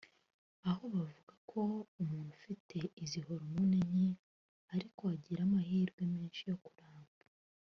aho bavuga ko uko umuntu afite izi hormone nke ariko agira amahirwe menshi yo kuramba